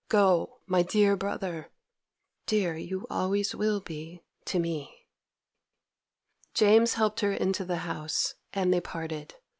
Go, my dear brother. Dear you always will be to me!' James helped her into the house, and they parted.